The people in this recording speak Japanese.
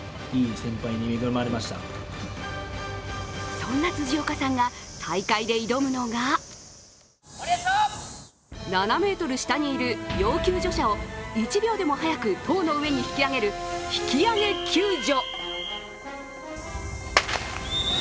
そんな辻岡さんが大会で挑むのが７ｍ下にいる要救助者を１秒でも早く棟の上に引き上げる引揚救助。